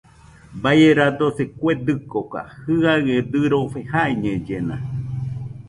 Baie radosi kue dɨkoka, jɨaɨe dɨrofe jaiñellena